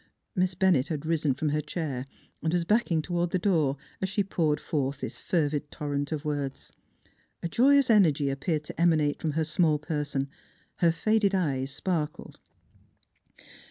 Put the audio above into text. Miss Bennett had risen from her chair and was backing toward the door, as she poured forth this fervid torrent of words. A joyous energy ap peared to emanate from her small person; her faded eyes sparkled.